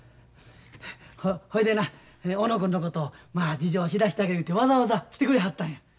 ほいでな小野君のこと事情知らしてあげるいうてわざわざ来てくれはったんや。